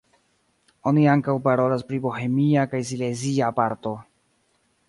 Oni ankaŭ parolas pri bohemia kaj silezia parto.